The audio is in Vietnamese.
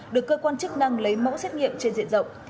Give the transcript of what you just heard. được cơ quan chức năng lấy mẫu xét nghiệm trên diện rộng